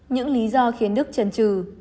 những lý do khiến đức trần trừ